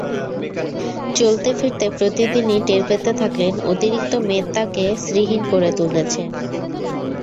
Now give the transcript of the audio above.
চলতে-ফিরতে প্রতিদিনই টের পেতে থাকলেন, অতিরিক্ত মেদ তাঁকে শ্রীহীন করে তুলছে।